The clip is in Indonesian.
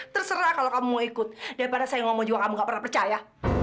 terserah kalau kamu mau ikut daripada saya ngomong juga kamu gak pernah percaya